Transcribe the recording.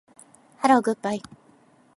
ハローグッバイ